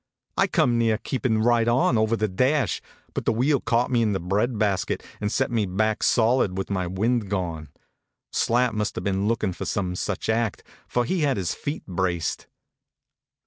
I come near keepin right on over the dash ; but the wheel caught me in the bread basket and set me back solid with my wind gone. Slat must have been lookin for some such act; for he had his feet braced.